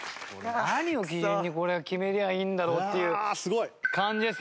何を基準にこれは決めりゃいいんだろうっていう感じですけど。